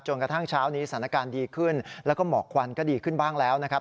กระทั่งเช้านี้สถานการณ์ดีขึ้นแล้วก็หมอกควันก็ดีขึ้นบ้างแล้วนะครับ